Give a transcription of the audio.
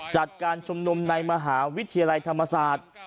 จัดการชุมนุมในมหาวิทยาลัยธรรมศาสตร์